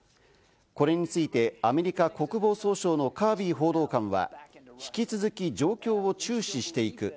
これについてアメリカ国防総省のカービー報道官は引き続き状況を注視していく。